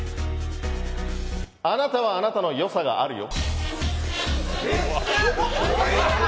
あなたはあなたのよさがあるよ。。